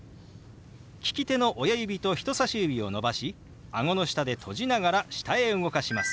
利き手の親指と人さし指を伸ばしあごの下で閉じながら下へ動かします。